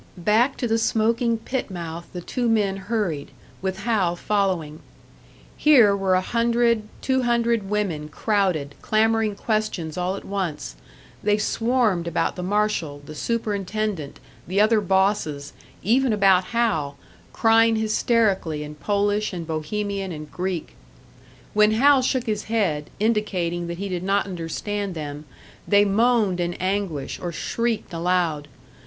Back to the smoking pit mouth the two men hurried, with Hal following. Here were a hundred, two hundred women crowded, clamouring questions all at once. They swarmed about the marshal, the superintendent, the other bosses even about Hal, crying hysterically in Polish and Bohemian and Greek. When Hal shook his head, indicating that he did not understand them, they moaned in anguish, or shrieked aloud.